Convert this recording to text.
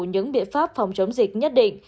những biện pháp phòng chống dịch nhất định